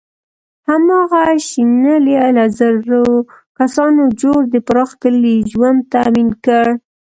هماغه شنیلي له زرو کسانو جوړ د پراخ کلي ژوند تأمین کړ.